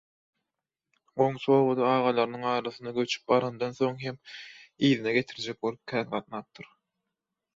Goňşy obada agalarynyň arasyna göçüp barandan soň hem yzyna getirjek bolup kän gatnapdyr